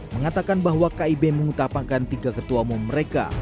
mengatakan bahwa kib mengutapakan tiga ketua umum mereka